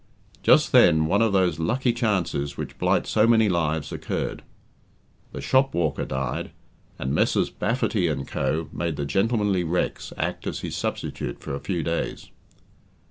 Just then one of those "lucky chances" which blight so many lives occurred. The "shop walker" died, and Messrs. Baffaty & Co. made the gentlemanly Rex act as his substitute for a few days.